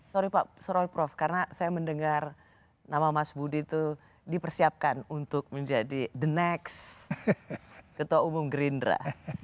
sorry pak surol prof karena saya mendengar nama mas budi itu dipersiapkan untuk menjadi the next ketua umum gerindra